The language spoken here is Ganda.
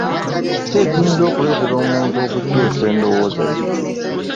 Ki ekiyinza okuleetera omuntu okukyusa endowooza ye?